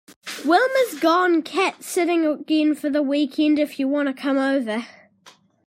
Wilma’s gone cat sitting again for the weekend if you want to come over.